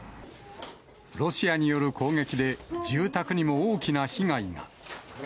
ロシアによる攻撃で、住宅にも大きな被害が。